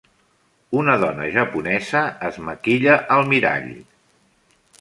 Una dona japonesa es maquilla al mirall.